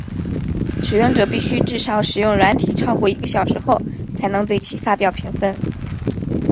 使用者必须至少使用软体超过一个小时后才能对其发表评分。